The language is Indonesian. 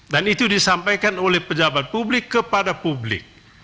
dan itu disampaikan oleh pejabat publik kepada publik